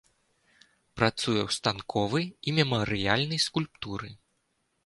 Працуе ў станковай і мемарыяльнай скульптуры.